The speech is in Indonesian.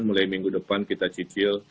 mulai minggu depan kita cicil